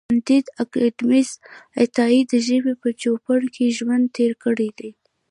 کانديد اکاډميسن عطایي د ژبې په چوپړ کې ژوند تېر کړی دی.